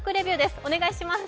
お願いします。